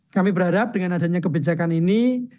kami berharap dengan adanya kebijakan ini